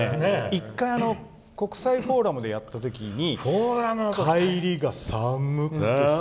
１回、国際フォーラムでやった時に帰りが寒くて寒くて。